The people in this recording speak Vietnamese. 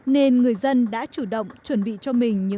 nên người dân đã chủ động bắt đầu xây dựng các loại lũ lụt